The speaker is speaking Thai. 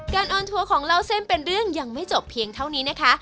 ออนทัวร์ของเล่าเส้นเป็นเรื่องยังไม่จบเพียงเท่านี้นะคะ